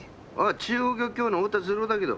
中央漁協の太田滋郎だけど。